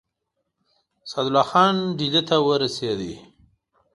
سعدالله خان ډهلي ته ورسېد.